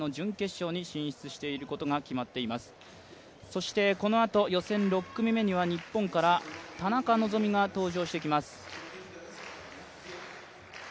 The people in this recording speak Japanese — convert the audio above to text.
そしてこのあと予選６組目には日本から田中希実が登場してきます。